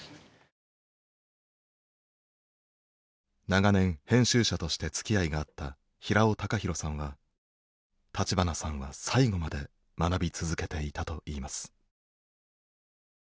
長年編集者としてつきあいがあった平尾隆弘さんは立花さんは最後まで学び続けていたといいます。